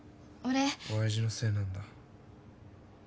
親父のせいなんだ。